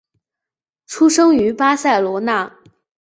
出生于巴塞罗那。